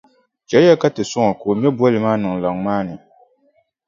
Chɛliya ka ti sɔŋ o ka o ŋme bolli maa niŋ laŋ maa ni.